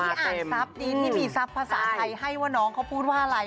อ่านทรัพย์ดีที่มีทรัพย์ภาษาไทยให้ว่าน้องเขาพูดว่าอะไร